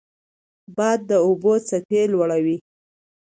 باد د اوبو څپې لوړوي